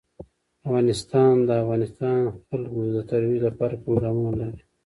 افغانستان د د افغانستان جلکو د ترویج لپاره پروګرامونه لري.